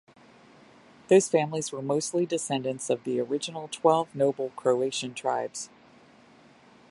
Those families were mostly descendants of the original twelve noble Croatian tribes.